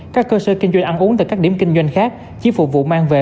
các cơ sở kinh doanh ăn uống tại các điểm kinh doanh khác chỉ phục vụ mang về